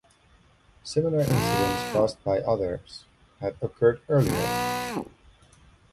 Similar incidents caused by others had occurred earlier.